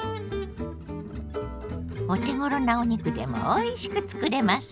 お手ごろなお肉でもおいしくつくれますよ。